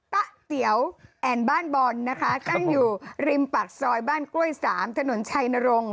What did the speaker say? ตะเตี๋ยวแอนบ้านบอลนะคะตั้งอยู่ริมปากซอยบ้านกล้วย๓ถนนชัยนรงค์